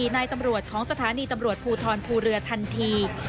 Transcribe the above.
นายตำรวจของสถานีตำรวจภูทรภูเรือทันที